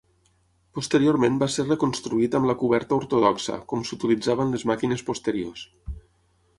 Posteriorment va ser reconstruït amb la coberta ortodoxa, con s'utilitzava en les màquines posteriors.